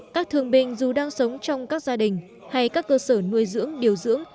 các thương binh dù đang sống trong các gia đình hay các cơ sở nuôi dưỡng điều dưỡng